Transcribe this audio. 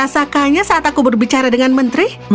aku juga masih merasa menyesal saat aku berbicara dengan menteri